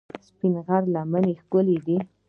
سپین غر لمنې ښکلې دي؟